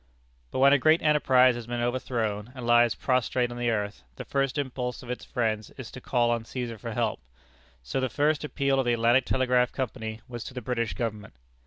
But when a great enterprise has been overthrown, and lies prostrate on the earth, the first impulse of its friends is to call on Cæsar for help. So the first appeal of the Atlantic Telegraph Company was to the British Government.